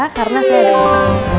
karena saya udah